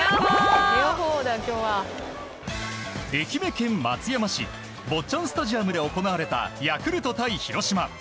愛媛県松山市坊っちゃんスタジアムで行われたヤクルト対広島。